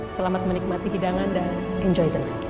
selamat menikmati hidangan dan enjoy the night